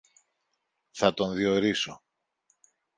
Θα τον διορίσω.